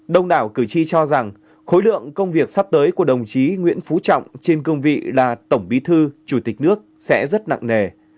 đông đảo cử tri cho rằng khối lượng công việc sắp tới của đồng chí nguyễn phú trọng trên cương vị là tổng bí thư chủ tịch nước sẽ rất nặng nề